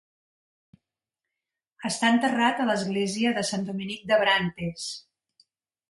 Està enterrat a l'Església de Sant Dominique d'Abrantes.